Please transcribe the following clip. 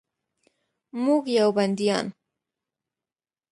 موږ یو بندیان